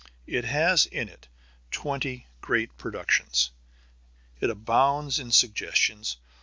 It has in it twenty great productions. It abounds in suggestions.